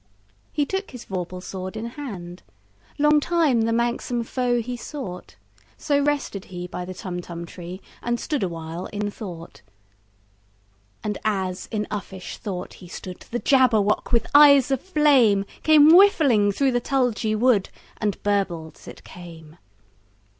He took his vorpal sword in hand:Long time the manxome foe he sought—So rested he by the Tumtum tree, And stood awhile in thought. And as in uffish thought he stood, The Jabberwock, with eyes of flame, Came whiffling through the tulgey wood, And burbled as it came!